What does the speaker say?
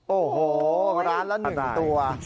โอ้โหร้านละ๑ตัว